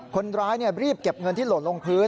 คนร้ายรีบเก็บเงินที่หล่นลงพื้น